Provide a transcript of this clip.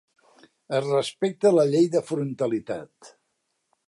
Es respecta la llei de frontalitat.